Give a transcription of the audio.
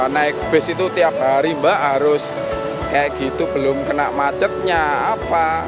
naik bus itu tiap hari mbak harus kayak gitu belum kena macetnya apa